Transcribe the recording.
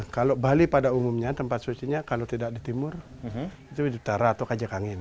kalau bali pada umumnya tempat sucinya kalau tidak di timur itu di utara atau kajak angin